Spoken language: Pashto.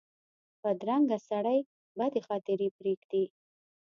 بدرنګه سړي بدې خاطرې پرېږدي